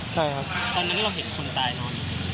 ตอนนั้นเราเห็นคนตายนอนอยู่